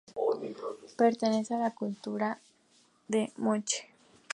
Pertenece a la cultura moche.